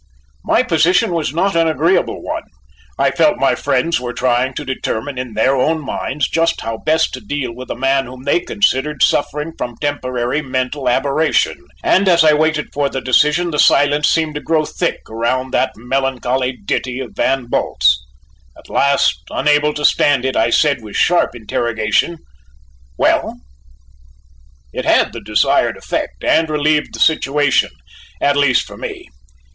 My position was not an agreeable one. I felt my friends were trying to determine in their own minds just how best to deal with a man whom they considered suffering from temporary mental aberration, and as I waited for the decision, the silence seemed to grow thick around that melancholy ditty of Van Bult's. At last, unable longer to stand it, I said with sharp interrogation: "Well!" It had the desired effect, and relieved the situation, at least for me.